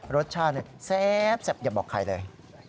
รสชาติแซ่บอย่าบอกใครเลย